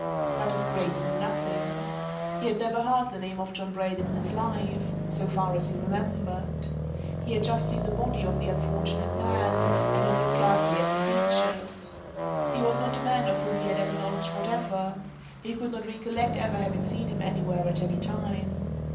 But his Grace knew nothing. He had never heard the name of John Braden in his life so far as he remembered. He had just seen the body of the unfortunate man and had looked carefully at the features. He was not a man of whom he had any knowledge whatever he could not recollect ever having seen him anywhere at any time.